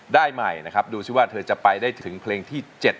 ได้ใหม่นะครับดูสิว่าเธอจะไปได้ถึงเพลงที่๗